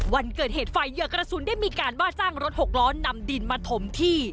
วันเกิดเหตุฝ่ายเหยื่อกระสุนได้มีการว่าจ้างรถหกล้อนำดินมาถมที่